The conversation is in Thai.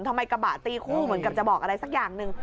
ทำไมกระบะตีคู่เหมือนกับจะบอกอะไรสักอย่างหนึ่ง